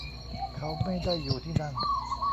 เขาไม่ได้อยู่ที่นั่น